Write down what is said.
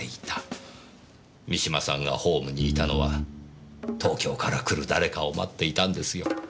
三島さんがホームにいたのは東京から来る誰かを待っていたんですよ。